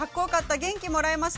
元気もらいました。